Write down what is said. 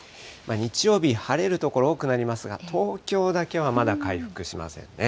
日曜日、晴れる所多くなりますが、東京だけはまだ回復しませんね。